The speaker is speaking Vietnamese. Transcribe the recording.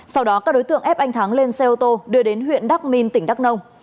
sau đó các đối tượng ép anh thắng lên xe ô tô đưa đến huyện đắk minh tỉnh đắk nông